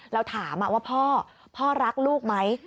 เราถามว่าพ่อพ่อรักลูกไหม